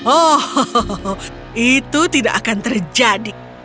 oh itu tidak akan terjadi